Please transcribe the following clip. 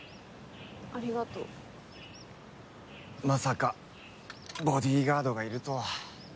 まさかボディーガードがいるとは。